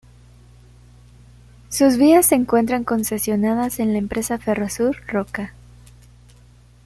Sus vías se encuentran concesionadas a la empresa Ferrosur Roca.